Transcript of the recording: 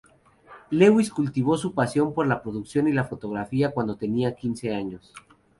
Lewis cultivó su pasión por la producción y la fotografía cuando tenía quince años.